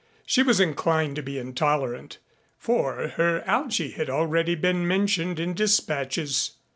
She was inclined to be intolerant. For her Algy had already been mentioned in dispatches.